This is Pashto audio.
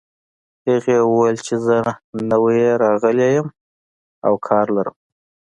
هغې وویل چې زه نوی راغلې یم او کار لرم